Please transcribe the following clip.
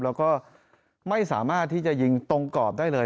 แล้วก็ไม่สามารถที่จะยิงตรงกรอบได้เลย